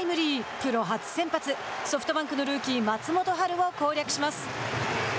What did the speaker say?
プロ初先発ソフトバンクのルーキー松本晴を攻略します。